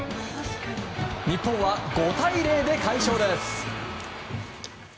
日本は５対０で快勝です。